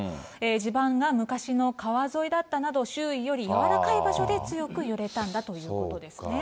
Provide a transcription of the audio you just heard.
地盤が昔の川沿いだったなど、周囲より軟らかい場所で強く揺れたんだということですね。